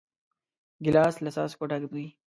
ګیلاس له څاڅکو ډک وي.